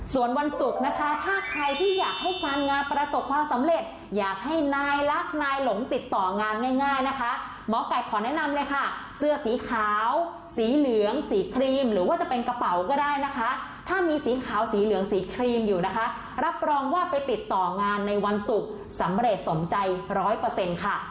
ส่วนวันศุกร์นะคะถ้าใครที่อยากให้การงานประสบความสำเร็จอยากให้นายรักนายหลงติดต่องานง่ายนะคะหมอไก่ขอแนะนำเลยค่ะเสื้อสีขาวสีเหลืองสีครีมหรือว่าจะเป็นกระเป๋าก็ได้นะคะถ้ามีสีขาวสีเหลืองสีครีมอยู่นะคะรับรองว่าไปติดต่องานในวันศุกร์สำเร็จสมใจร้อยเปอร์เซ็นต์ค่ะ